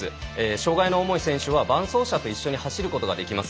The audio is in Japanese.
障がいの重い選手は伴走者と一緒に走ることができます。